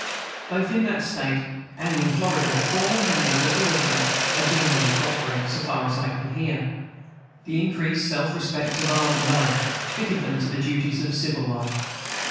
Both in that State and hi Florida the former members of the regiment are generally prospering, so far as I can hear. The increased self respect of army life fitted them to do the duties of civil life.